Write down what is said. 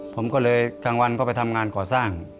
ผมก็เลยกลางวันก็ไปทำงานก่อสร้าง